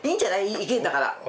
意見だから。